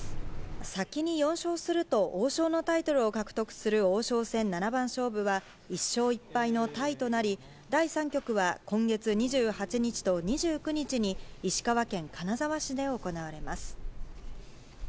先に４勝すると、王将のタイトルを獲得する王将戦七番勝負は、１勝１敗のタイとなり、第３局は今月２８日と２９日に、石川県金沢市で行われます。